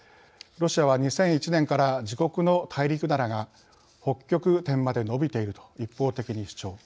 ロシアは２００１年から自国の大陸棚が北極点まで伸びていると一方的に主張。